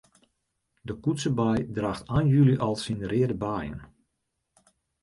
De koetsebei draacht ein july al syn reade beien.